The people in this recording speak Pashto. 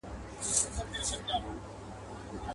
وخت که لېونی سو، توپانونو ته به څه وایو.